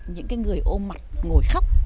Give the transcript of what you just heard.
những cái người ôm mặt ngồi khóc